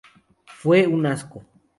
Fue un asco.